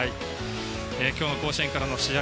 今日の甲子園からの試合